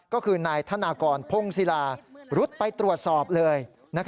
ก็คือนายธนากรพงศิลารุดไปตรวจสอบเลย